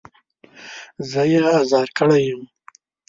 زه يې ازار کړی يم.